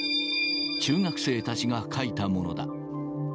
中学生たちが描いたものだ。